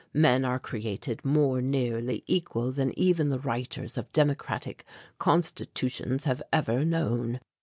Men are created more nearly equal than even the writers of democratic constitutions have ever known.